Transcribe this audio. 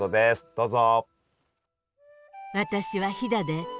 どうぞ。